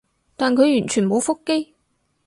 但佢完全冇覆機